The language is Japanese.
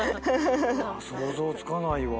想像つかないわ。